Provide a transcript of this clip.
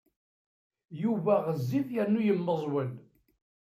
Yuba ɣezzif yernu yemmeẓwel.